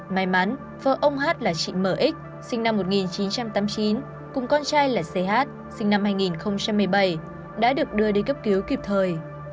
may mắn vợ ông hát là chị m x sinh năm một nghìn chín trăm tám mươi chín cùng con trai là c h sinh năm hai nghìn một mươi bảy đã được đưa đi cấp cứu kịp thời